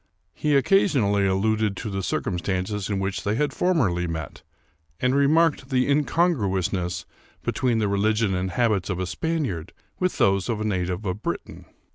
He occasionally alluded to the circumstances in which they had formerly met, and remarked the incon gruousness between the religion and habits of a Spaniard with those of a native of Britain.